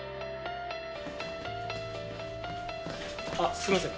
あっすいません。